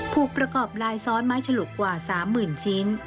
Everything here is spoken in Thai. ประกอบลายซ้อนไม้ฉลุกกว่า๓๐๐๐ชิ้น